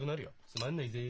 つまんないぜ。